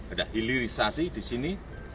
ada hilirisasi disini